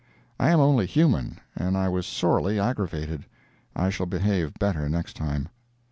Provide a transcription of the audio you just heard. (I am only human and I was sorely aggravated. I shall behave better next time.)